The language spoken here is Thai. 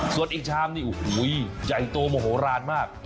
ส่วนอีกชามนี่โอ้โหใหญ่โตโมโหลานมาก